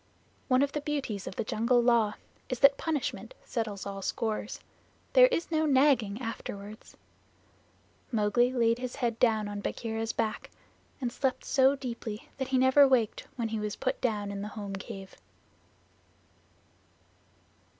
One of the beauties of Jungle Law is that punishment settles all scores. There is no nagging afterward. Mowgli laid his head down on Bagheera's back and slept so deeply that he never waked when he was put down in the home cave.